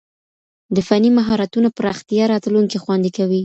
د فني مهارتونو پراختيا راتلونکی خوندي کوي.